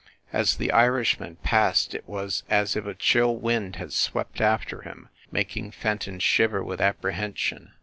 As the Irishman passed it was as if a chill wind had swept after him, mak ing Fenton shiver with apprehension.